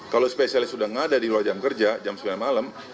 kalau spesialis sudah ngada di luar jam kerja jam sembilan malam